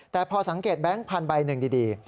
แต่พอสังเกตแบงค์พันธุ์ใบหนึ่งดี